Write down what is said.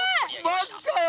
マジかよ！